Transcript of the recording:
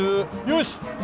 よし！